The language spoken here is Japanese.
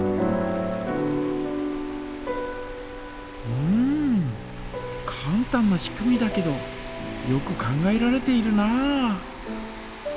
うんかん単な仕組みだけどよく考えられているなあ。